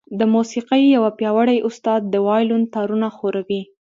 د موسيقۍ يو پياوړی استاد د وايلون تارونه ښوروي.